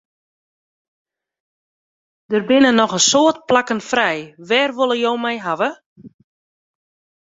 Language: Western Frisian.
Der binne noch in soad plakken frij, wêr wolle jo my hawwe?